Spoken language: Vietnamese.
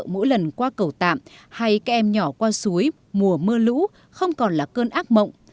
mỗi lần qua cầu tạm hay các em nhỏ qua suối mùa mưa lũ không còn là cơn ác mộng